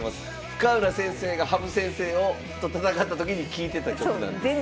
深浦先生が羽生先生と戦った時に聴いてた曲なんです。